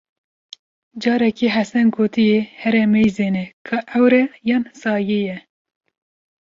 Carekê Hesen gotiyê, here meyzêne, ka ewr e, yan sayî ye!